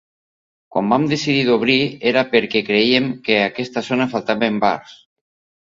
Quan vam decidir d’obrir, era perquè crèiem que en aquesta zona faltaven bars.